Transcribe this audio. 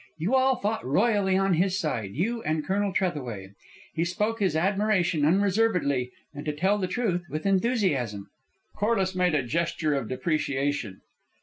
You all fought royally on his side, you and Colonel Trethaway. He spoke his admiration unreservedly and, to tell the truth, with enthusiasm." Corliss made a gesture of depreciation.